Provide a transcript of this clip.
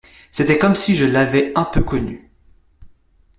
C’était comme si je l’avais un peu connue.